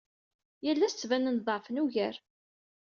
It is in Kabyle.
Yal ass ttbanen-d ḍeɛfen ugar.